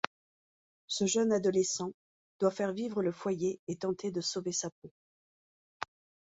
Ce jeune adolescent doit faire vivre le foyer et tenter de sauver sa peau.